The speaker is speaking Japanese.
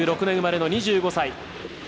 ９６年生まれの２５歳。